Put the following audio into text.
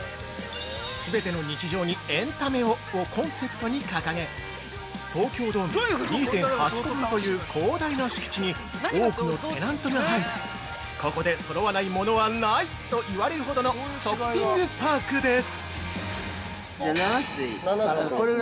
「すべての日常に、エンタメを」をコンセプトに掲げ東京ドーム２．８個分という広大な敷地の中には多くのテナントが入りここでそろわない物はない！と言われるほどのショッピングパークです。